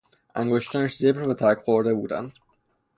انگشتانش زبر و ترک خورده بودند.